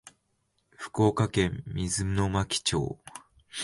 福岡県水巻町